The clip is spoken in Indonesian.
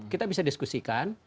kita bisa diskusikan